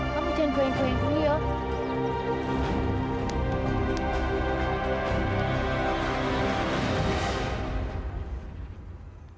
kamu jangan goyang goyang dulu yuk